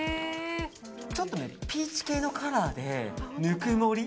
ちょっとピーチ系のカラーでぬくもり